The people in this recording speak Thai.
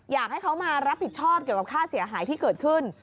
อยากให้เขามารับผิดชอบเกี่ยวกับค่าเสียหายที่เกิดขึ้น